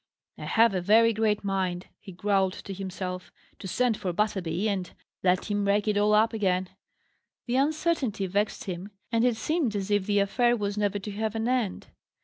"I have a very great mind," he growled to himself, "to send for Butterby, and let him rake it all up again!" The uncertainty vexed him, and it seemed as if the affair was never to have an end.